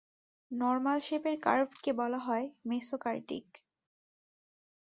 Normal শেপের কার্ভকে বলা হয় মেসোকার্টিক।